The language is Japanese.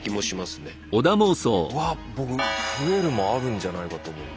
うわ僕増えるもあるんじゃないかと思う。